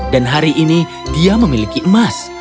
dan hari ini dia memiliki emas